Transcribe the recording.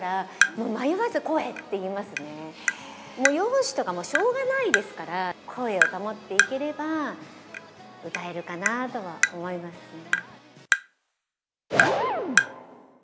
もう容姿とか、しょうがないですから、声を保っていければ、歌えるかなとは思いますね。